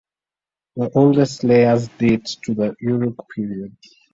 The oldest layers date to the Uruk period.